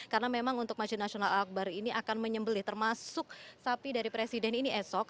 karena memang untuk masjid nasional al aqbar ini akan menyembelih termasuk sapi dari presiden ini esok